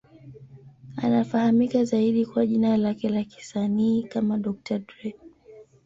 Anafahamika zaidi kwa jina lake la kisanii kama Dr. Dre.